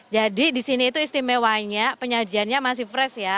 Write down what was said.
jadi di sini itu istimewanya penyajiannya masih fresh ya